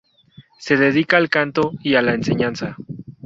Se dedica al Canto y a la Enseñanza.